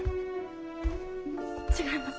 違います。